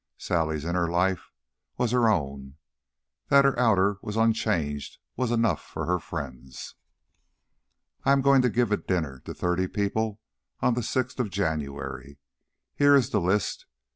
Sally's inner life was her own; that her outer was unchanged was enough for her friends. "I am going to give a dinner to thirty people on the sixth of January. Here is the list.